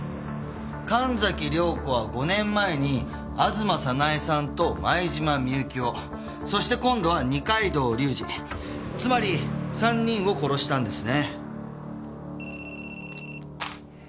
神崎涼子は５年前に吾妻早苗さんと前島美雪をそして今度は二階堂隆二つまり３人を殺したんですね。